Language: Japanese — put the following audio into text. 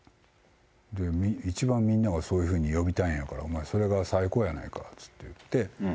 で、一番、みんながそういうふうに呼びたいんやから、お前、それが最高やないかって言って。